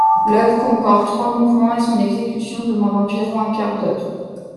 L'œuvre comporte trois mouvements et son exécution demande environ un quart d'heure.